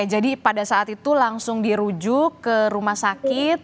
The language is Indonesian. jadi pada saat itu langsung dirujuk ke rumah sakit